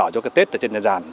cho cái tết ở trên nhà giàn